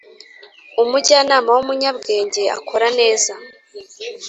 umujyanama w umunyabwenge akora neza